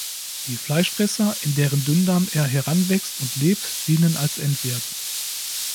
Die Fleischfresser, in deren Dünndarm er heranwächst und lebt, dienen als Endwirt.